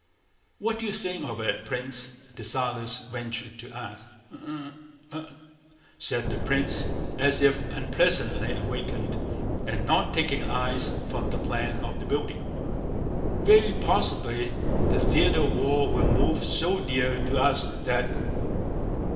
"What do you think of it, Prince?" Dessalles ventured to ask. "I? I?..." said the prince as if unpleasantly awakened, and not taking his eyes from the plan of the building. "Very possibly the theater of war will move so near to us that..."